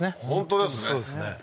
本当ですね